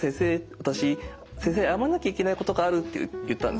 私先生に謝らなきゃいけないことがある」って言ったんですね。